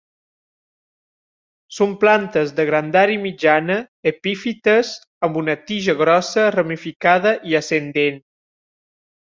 Són plantes de grandària mitjana, epífites, amb una tija grossa ramificada i ascendent.